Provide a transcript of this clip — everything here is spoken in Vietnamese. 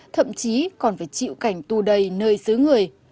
thậm chí còn phải chịu cảnh tù đầy nơi xứ người